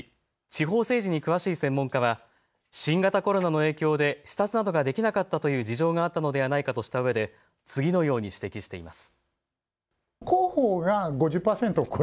地方政治に詳しい専門家は新型コロナの影響で視察などができなかったという事情があったのではないかとしたうえで次のように指摘しています。